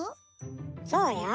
そうよ。